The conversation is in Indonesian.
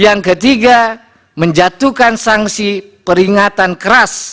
yang ketiga menjatuhkan sanksi peringatan keras